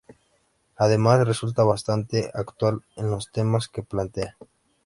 Además, resulta bastante actual en los temas que plantea.